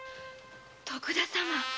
徳田様